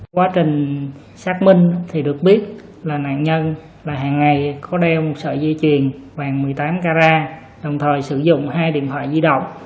quá trình xác minh thì được biết là nạn nhân là hàng ngày có đeo một sợi dây chuyền vàng một mươi tám carat đồng thời sử dụng hai điện thoại di động